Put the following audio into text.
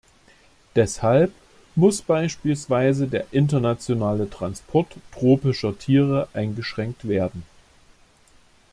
Deshalb muss beispielsweise der internationale Transport tropischer Tiere eingeschränkt werden.